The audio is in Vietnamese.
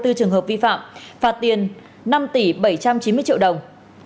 sáu bốn trăm ba mươi bốn trường hợp vi phạm phạt tiền năm tỷ bảy trăm chín mươi triệu đồng